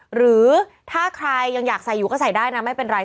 หรือถ้าใครยังอยากใส่อยู่ก็ใส่ได้นะไม่เป็นไร